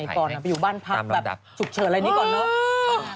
ก่อนไปอยู่บ้านพักแบบฉุกเฉินอะไรนี้ก่อนเนอะ